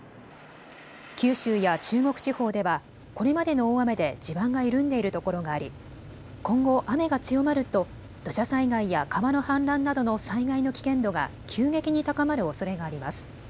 九州や中国地方ではこれまでの大雨で地盤が緩んでいるところがあり今後、雨が強まると土砂災害や川の氾濫などの災害の危険度が急激に高まるおそれがあります。